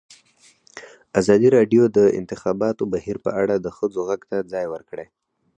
ازادي راډیو د د انتخاباتو بهیر په اړه د ښځو غږ ته ځای ورکړی.